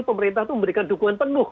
pemerintah itu memberikan dukungan penuh